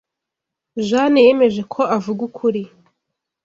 Jane yemeje ko avuga ukuri.